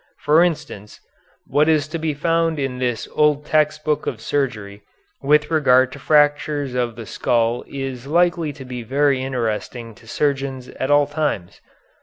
For instance, what is to be found in this old text book of surgery with regard to fractures of the skull is likely to be very interesting to surgeons at all times.